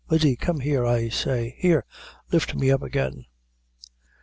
Biddy, come here, I say here lift me up again."